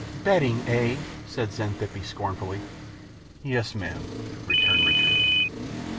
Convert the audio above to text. "Betting, eh?" said Xanthippe, scornfully. "Yes, ma'am," returned Richard.